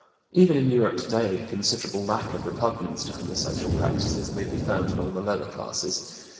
Even in Europe today a considerable lack of repugnance to homosexual practices may be found among the lower classes.